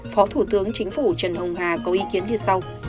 phó thủ tướng chính phủ trần hồng hà có ý kiến như sau